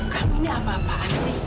kamu ini apa apaan sih